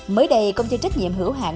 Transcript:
mới đây công ty trách nhiệm hữu hạn